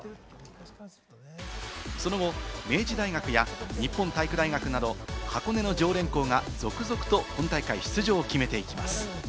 その後、明治大学や日本体育大学など箱根の常連校が続々と本大会出場を決めていきます。